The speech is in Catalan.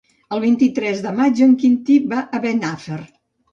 El vint-i-tres de maig en Quintí va a Benafer.